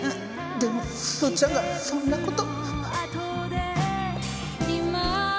でもすずちゃんがそんなこと。